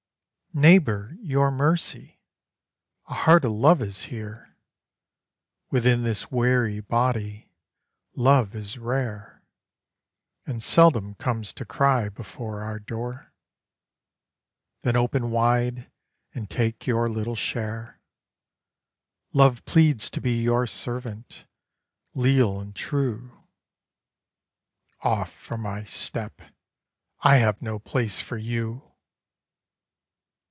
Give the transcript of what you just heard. Neighbour, your mercy! A heart of love is here, Within this weary body—love is rare, And seldom comes to cry before our door. Then open wide, and take your little share. Love pleads to be your servant, leal and true. "Off from my step! I have no place for you."